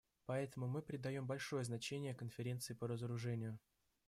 Поэтому мы придаем большое значение Конференции по разоружению.